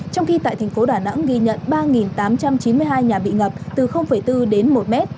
trong khi tại thành phố đà nẵng ghi nhận ba tám trăm chín mươi hai nhà bị ngập từ bốn đến một mét